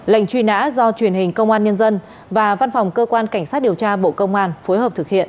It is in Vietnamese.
lệnh truy nã do truyền hình công an nhân dân và văn phòng cơ quan cảnh sát điều tra bộ công an phối hợp thực hiện